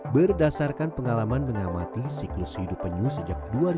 penyu penyu di tempat yang terkenal di desa gedangan